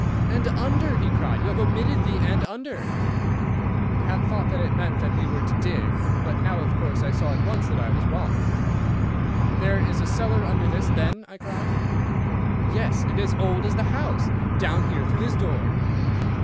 "'And under,' he cried. 'You have omitted the "and under."' "I had thought that it meant that we were to dig, but now, of course, I saw at once that I was wrong. 'There is a cellar under this then?' I cried. "'Yes, and as old as the house. Down here, through this door.